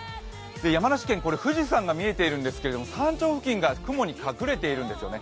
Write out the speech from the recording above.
山梨県、富士山が見えているんですけど、山頂付近が雲に隠れているんですよね。